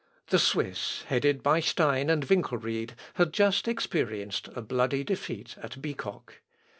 The Swiss, headed by Stein and Winkelried, had just experienced a bloody defeat at Bicoque.